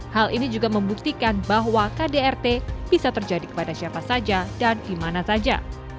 hal ini juga membuktikan bahwa kdrt bisa terjadi kepada siapa saja dan dimana saja